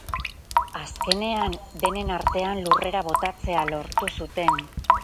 Azkenean, denen artean lurrera botatzea lortu zuten.